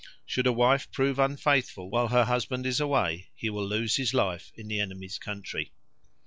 Should a wife prove unfaithful while her husband is away, he will lose his life in the enemy's country.